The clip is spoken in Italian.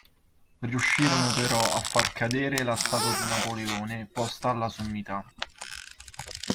Riuscirono però a far cadere la statua di Napoleone posta alla sommità.